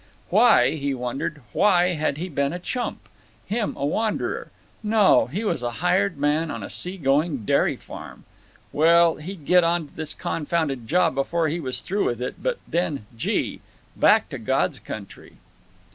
Why, he wondered—"why had he been a chump? Him a wanderer? No; he was a hired man on a sea going dairy farm. Well, he'd get onto this confounded job before he was through with it, but then—gee! back to God's Country!"